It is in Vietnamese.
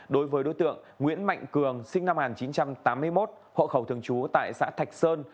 đối với đối tượng nguyễn mạnh cường sinh năm một nghìn chín trăm tám mươi một hộ khẩu thường trú tại xã thạch sơn